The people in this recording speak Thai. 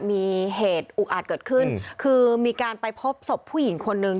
มีเหตุอุกอาจเกิดขึ้นคือมีการไปพบศพผู้หญิงคนนึง